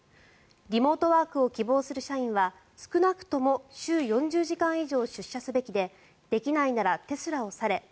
リモートワークを希望する社員は少なくとも週４０時間以上出社すべきでできないならテスラを去れ。